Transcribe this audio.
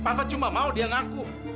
papa cuma mau dia ngaku